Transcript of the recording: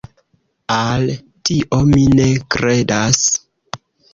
Al tio mi ne kredas.